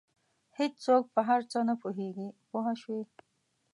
هېڅوک په هر څه نه پوهېږي پوه شوې!.